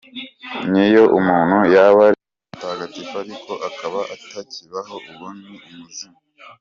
N’iyo umuntu yaba ari umutagatifu ariko akaba atakibaho, uwo ni umuzimu”.